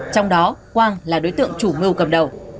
trong đó quang là đối tượng chủ mưu cầm đầu